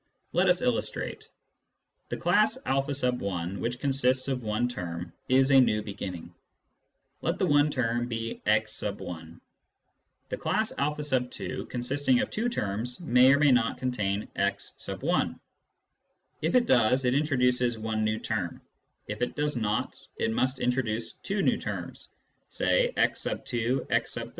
Let us illustrate. The class a 1( which consists of one term, is a new beginning; let the one term be x v The class a 2 , consisting of two terms, may or may not contain x x ; if it does, it introduces one new term ; and if it does not, it must introduce two new terms, say x 2 , x a .